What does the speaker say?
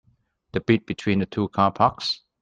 The bit between the two car parks?